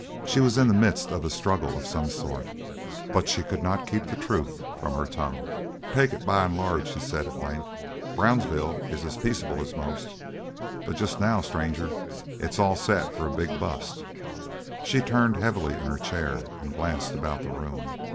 She was in the midst of a struggle of some sort. But she could not keep the truth from her tongue. "Take it by and large," she said at length, "Brownsville is as peaceable as most; but just now, stranger, it's all set for a big bust." She turned heavily in her chair and glanced about the room.